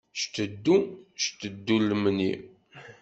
Cteddu, cteddu lemni.